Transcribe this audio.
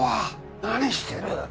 何してるっ